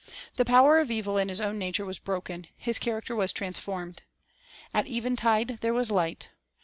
The power of evil in his own nature was broken; his character was transformed. At eventide there was light.